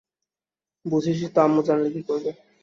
বুঝিসই তো আম্মু জানলে কি করবে।